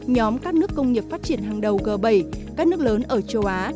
nhóm các nước công nghiệp phát triển hàng đầu g bảy các nước lớn ở châu á